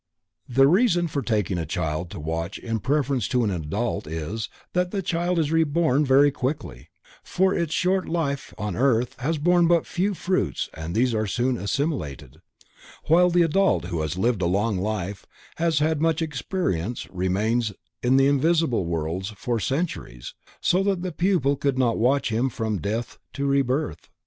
The reason for taking a child to watch in preference to an adult, is, that the child is reborn very quickly, for its short life on earth has borne but few fruits and these are soon assimilated, while the adult who has lived a long life, and had much experience remains in the invisible worlds for centuries, so that the pupil could not watch him from death to rebirth.